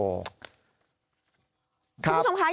คุณผู้ชมคะอยาก